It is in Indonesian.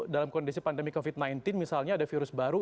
dalam kondisi pandemi covid sembilan belas misalnya ada virus baru